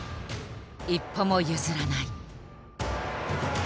一歩も譲らない。